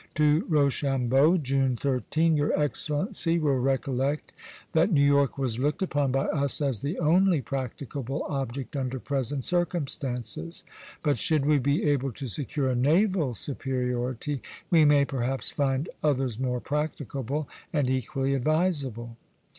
To Rochambeau, June 13: "Your Excellency will recollect that New York was looked upon by us as the only practicable object under present circumstances; but should we be able to secure a naval superiority, we may perhaps find others more practicable and equally advisable."